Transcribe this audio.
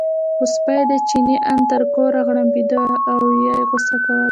خو سپی دی، چیني ان تر کوره غړمبېده او یې غوسه کوله.